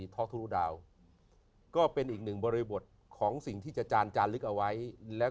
ท็อกทะลุดาวก็เป็นอีกหนึ่งบริบทของสิ่งที่อาจารย์จาลึกเอาไว้แล้ว